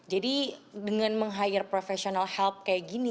jadi dengan meng hire professional help kayak gini